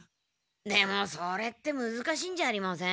でもそれってむずかしいんじゃありません？